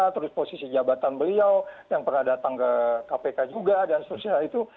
terus posisi jabatan beliau yang pernah datang ke kpk juga dan seterusnya itu